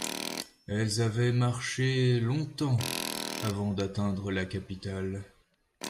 elles avaient marché longtemps avant d'atteindre la capitale.